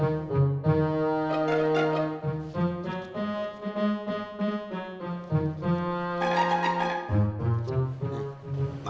jadi berapa mun